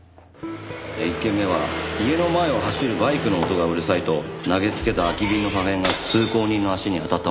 １件目は家の前を走るバイクの音がうるさいと投げつけた空き瓶の破片が通行人の足に当たったものです。